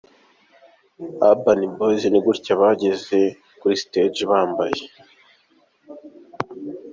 Urban Boyz ni gutya bageze kuri stage bambaye.